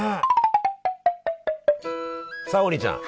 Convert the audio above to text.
さあ王林ちゃん